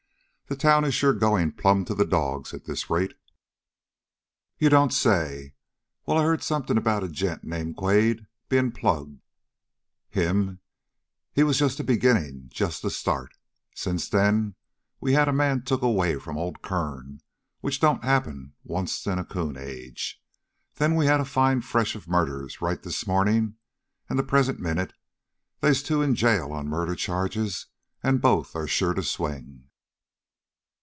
The town is sure going plumb to the dogs at this rate!" "You don't say! Well, I heard something about a gent named Quade being plugged." "Him? He was just the beginning just the start! Since then we had a man took away from old Kern, which don't happen once in a coon's age. Then we had a fine fresh murder right this morning, and the present minute they's two in jail on murder charges, and both are sure to swing!"